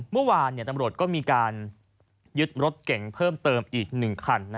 เมื่อวานตำรวจก็มีการยึดรถเก่งเพิ่มเติมอีก๑คัน